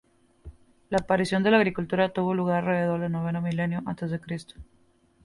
La aparición de la agricultura tuvo lugar alrededor del noveno milenio antes de Cristo.